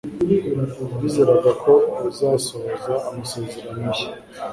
Nizeraga ko azasohoza amasezerano ye